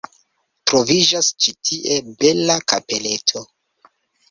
Troviĝas ĉi tie bela kapeleto.